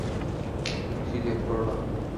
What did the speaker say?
ফেংশি, জেদ কোরো না।